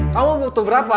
kamu butuh berapa